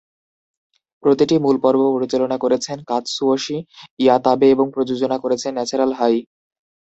প্রতিটি মূল পর্ব পরিচালনা করেছেন কাতসুয়োশি ইয়াতাবে এবং প্রযোজনা করেছেন ন্যাচারাল হাই।